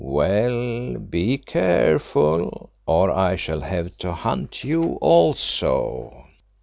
Well, be careful, or I shall have to hunt you also."